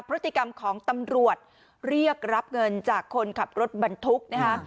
พฤติกรรมของตำรวจเรียกรับเงินจากคนขับรถบรรทุกนะคะ